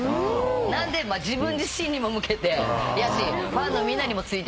なんで自分自身にも向けてやしファンのみんなにもついてきて。